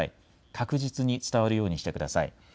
確実に伝わるようにしてください。